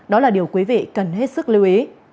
đó là điều quý vị cần hết sức lưu ý